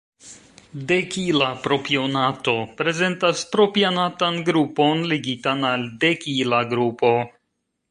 Dekila propionato prezentas propionatan grupon ligitan al dekila grupo.